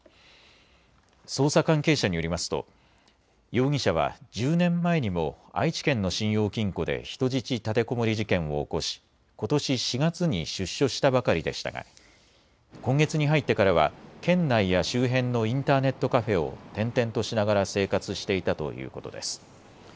捜査関係者によりますと容疑者は１０年前にも愛知県の信用金庫で人質立てこもり事件を起こし、ことし４月に出所したばかりでしたが今月に入ってからは県内や周辺のインターネットカフェを転々としながら生活していたということです。